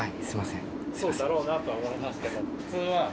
そうだろうなとは思いますけど。